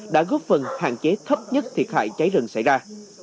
đã góp phần hạn chế thấp nhất thiệt hại cháy rừng xảy ra